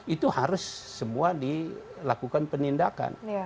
itu harus semua dilakukan penindakan